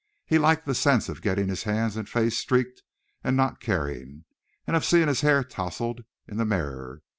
He liked the sense of getting his hands and face streaked and not caring, and of seeing his hair tousled, in the mirror.